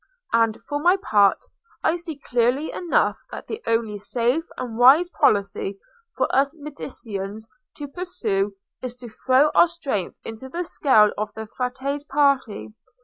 And, for my part, I see clearly enough that the only safe and wise policy for us Mediceans to pursue is to throw our strength into the scale of the Frate's party.